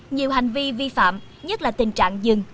nhiều hành vi vi phạm nhất là tình trạng dừng